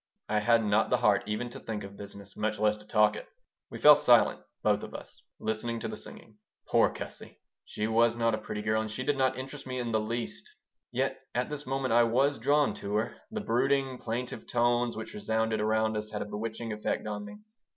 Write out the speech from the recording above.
I had not the heart even to think of business, much less to talk it. We fell silent, both of us, listening to the singing. Poor Gussie! She was not a pretty girl, and she did not interest me in the least. Yet at this moment I was drawn to her. The brooding, plaintive tones which resounded around us had a bewitching effect on me.